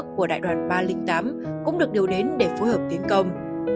trong giai đoạn hai của đại đoàn ba trăm linh tám cũng được điều đến để phối hợp tiến công